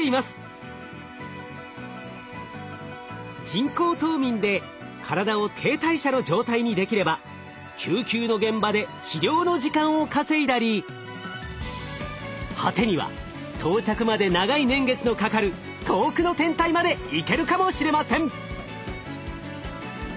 人工冬眠で体を低代謝の状態にできれば救急の現場で治療の時間を稼いだり果てには到着まで長い年月のかかる遠くの天体まで行けるかもしれません。